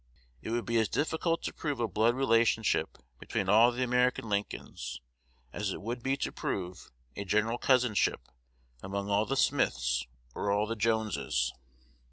It would be as difficult to prove a blood relationship between all the American Lincolns, as it would be to prove a general cousinship among all the Smiths or all the Joneses.